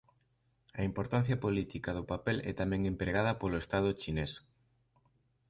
A importancia política do papel é tamén empregada polo Estado chinés.